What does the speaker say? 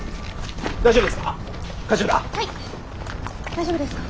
大丈夫ですか？